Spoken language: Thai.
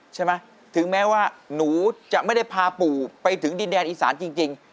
ใช่ไหมถึงแม้ว่าหนูจะไม่ได้พาปู่ไปถึงดินแดนอีสานจริง